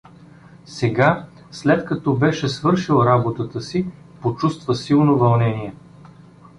Сега, след като беше свършил работата си, почувствува силно вълнение.